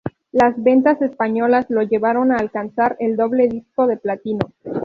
Las ventas españolas le llevaron a alcanzar el doble disco de platino.